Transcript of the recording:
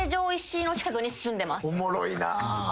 おもろいなあ。